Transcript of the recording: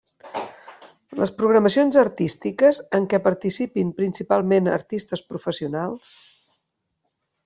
Les programacions artístiques en què participin principalment artistes professionals.